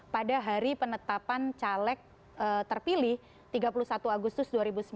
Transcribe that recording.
pada hari penetapan caleg terpilih tiga puluh satu agustus dua ribu sembilan belas